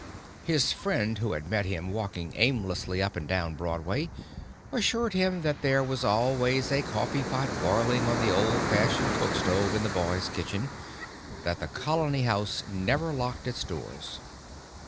His friend who had met him walking aimlessly up and down Broadway assured him that there was always a coffee pot boiling on the old fashioned cook stove in the boys' kitchen that the Colony House never locked its doors.